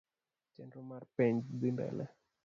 Chenro mar penj dhi mbele